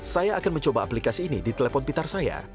saya akan mencoba aplikasi ini di telepon pintar saya